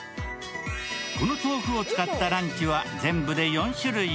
この豆腐を使ったランチは全部で４種類。